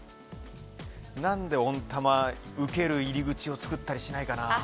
何で温玉受ける入り口を作ったりしないかな。